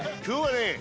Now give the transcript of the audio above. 今日はね